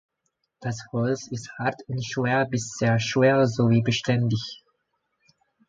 Das Holz ist hart und schwer bis sehr schwer sowie beständig.